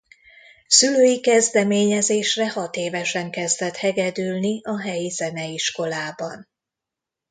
Szülői kezdeményezésre hatévesen kezdett hegedülni a helyi zeneiskolában.